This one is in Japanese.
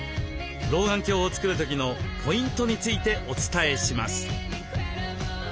老眼鏡を作る時のポイントについてお伝えします。